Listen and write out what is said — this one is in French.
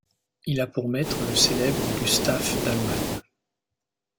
Il a pour maître le célèbre Gustaf Dalman.